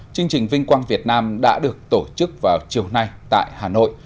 chương trình vinh quang việt nam đã được tổ chức vào chiều nay tại hà nội